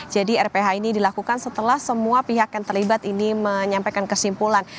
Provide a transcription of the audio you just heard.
jadi rph ini dilakukan setelah semua pihak yang terlibat ini menyampaikan kesimpulan